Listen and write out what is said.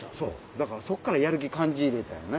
だからそっからやる気感じれたよね。